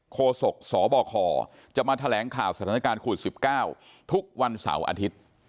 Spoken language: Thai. โศกสบคจะมาแถลงข่าวสถานการณ์โควิด๑๙ทุกวันเสาร์อาทิตย์